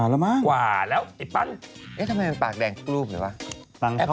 ทำไมมันปากแดงทุกรูปเลยวะ